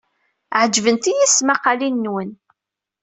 Ɛejbent-iyi tesmaqqalin-nwen.